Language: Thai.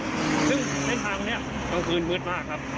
ซึ่งเส้นทางตรงนี้กลางคืนมืดมากครับ